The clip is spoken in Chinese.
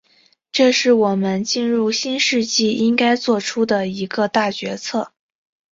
这是我们进入新世纪应该作出的一个大决策。